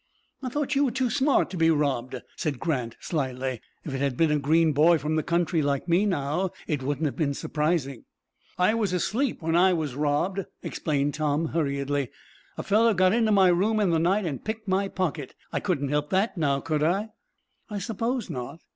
"I thought you were too smart to be robbed," said Grant, slyly. "If it had been a green boy from the country like me, now, it wouldn't have been surprising." "I was asleep when I was robbed," explained Tom, hurriedly. "A fellow got into my room in the night, and picked my pocket. I couldn't help that, now, could I?" "I suppose not."